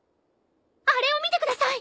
あれを見てください！